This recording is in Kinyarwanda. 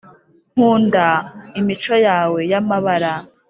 nkunda imico yawe y'amabara